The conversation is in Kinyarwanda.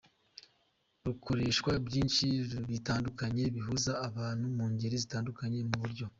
rukoreshwa byinshi bitandukanye bihuza abantu mu ngeri zitandukanye mu buryo